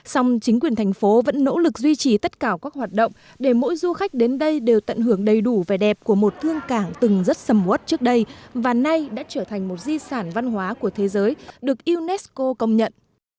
sòng chính quyền thành phố vẫn nỗ lực duy trì tất cả các hoạt động để mỗi du khách đến đây đều tận hưởng đầy đủ vẻ đẹp của một thương cảng từng rất sầm uất trước đây và nay đã trở thành một di sản văn hóa của thế giới được unesco công nhận